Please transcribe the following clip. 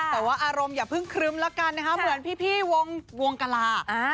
แต่ว่าอารมณ์อย่าเพิ่งครึ้มแล้วกันนะคะเหมือนพี่วงกลา